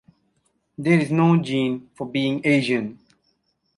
There’s no gene for being Asian.